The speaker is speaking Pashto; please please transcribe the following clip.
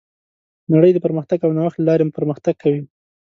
نړۍ د پرمختګ او نوښت له لارې پرمختګ کوي.